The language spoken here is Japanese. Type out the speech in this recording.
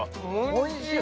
おいしい！